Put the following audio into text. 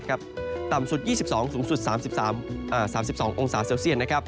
ต่ำสุด๒๒สูงสุด๓๒องศาเซลเซียต